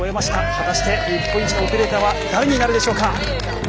果たして日本一のオペレーターは誰になるでしょうか。